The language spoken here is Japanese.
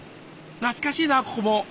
懐かしいなここも！